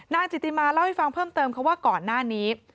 จิติมาเล่าให้ฟังเพิ่มเติมเขาว่าก่อนหน้านี้